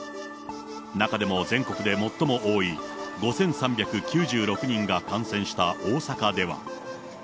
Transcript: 中でも全国で最も多い５３９６人が感染した大阪では。